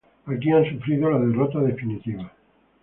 Aquí han sufrido la derrota definitiva.